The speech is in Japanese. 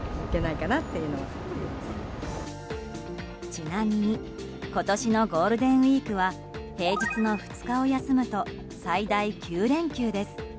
ちなみに今年のゴールデンウィークは平日の２日を休むと最大９連休です。